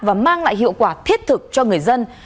và mang lại hiệu quả thiết thực cho người dân